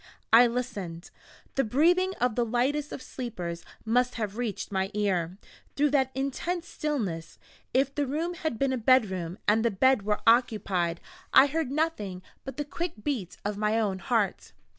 I listened. The breathing of the lightest of sleepers must have reached my ear, through that intense stillness, if the room had been a bedroom, and the bed were occupied. I heard nothing but the quick beat of my own heart.